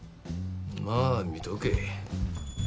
まあ見とけ。